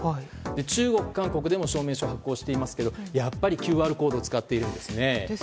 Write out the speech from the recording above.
中国、韓国でも証明書を発行していますがやっぱりＱＲコードを使っているんですね。